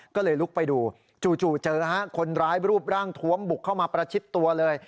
ก็เลยลุกไปดูจู่เจอคนร้ายรูปร่างทวมบุกเข้ามาประชิดตัวเลย